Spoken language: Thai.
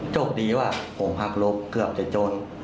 โจทย์ดีว่าผมหักลบเกือบจะโจร